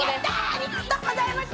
ありがとうございます。